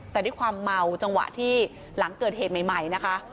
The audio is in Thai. แต่ด้วยความเมาจังหวะที่หลังเกิดเหตุใหม่นะคะ